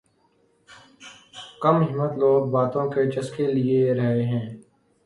کم ہمت لوگ باتوں کے چسکے لے رہے ہیں